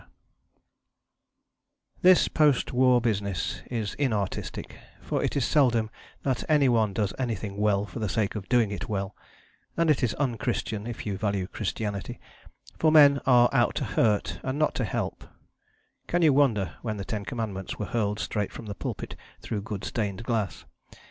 PREFACE This post war business is inartistic, for it is seldom that any one does anything well for the sake of doing it well; and it is un Christian, if you value Christianity, for men are out to hurt and not to help can you wonder, when the Ten Commandments were hurled straight from the pulpit through good stained glass.